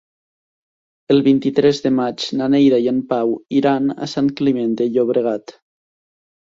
El vint-i-tres de maig na Neida i en Pau iran a Sant Climent de Llobregat.